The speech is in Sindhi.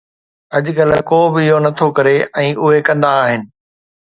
اڄڪلهه، ڪو به اهو نٿو ڪري ۽ اهي ڪندا آهن